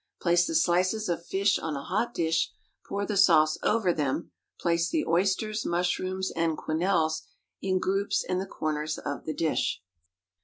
Place the slices of fish on a hot dish, pour the sauce over them, place the oysters, mushrooms, and quenelles in groups in the corners of the dish.